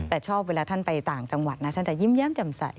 แต่ชอบเวลาท่านไปต่างจังหวัดนะท่านจะยิ้มแย้มแจ่มใส